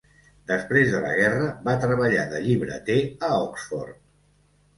Després de la guerra, va treballar de llibreter a Oxford.